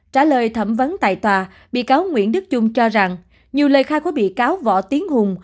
trả lời thẩm vấn tại tòa bị cáo nguyễn đức trung cho rằng nhiều lời khai của bị cáo võ tiến hùng